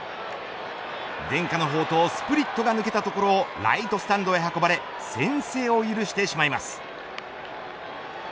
伝家の宝刀スプリットが抜けたところをライトスタンドへ運ばれ先制を許してしまいます。